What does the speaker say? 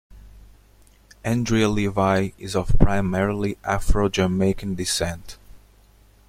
Andrea Levy is of primarily Afro-Jamaican descent.